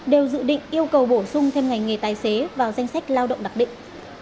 đều dự định yêu cầu bổ sung thêm ngành nghề tài xế vào danh sách lao động đặc định